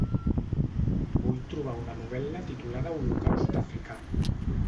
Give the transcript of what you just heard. Vull trobar una novel·la titulada Holocaust africà